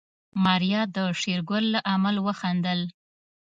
ماريا د شېرګل له عمل وخندل.